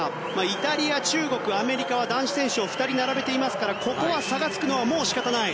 イタリア、中国、アメリカは男子選手を２人並べていますからここは差がつくのは仕方ない。